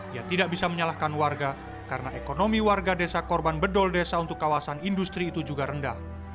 ia tidak bisa menyalahkan warga karena ekonomi warga desa korban bedol desa untuk kawasan industri itu juga rendah